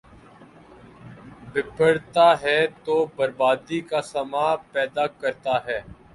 ، بپھر تا ہے تو بربادی کا ساماں پیدا کرتا ہے ۔